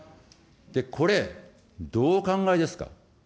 これ、どうお考えですか。